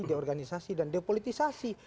deorganisasi dan depolitisasi